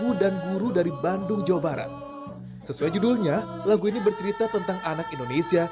guru dan guru dari bandung jawa barat sesuai judulnya lagu ini bercerita tentang anak indonesia